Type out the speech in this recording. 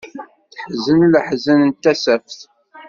Teḥzen leḥzen n tasaft.